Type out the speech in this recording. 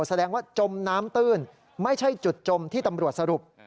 แสดงว่าจมน้ำตื้นไม่ใช่จุดจมที่ตำรวจสรุป